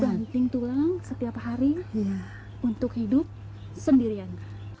banting tulang setiap hari untuk hidup sendirian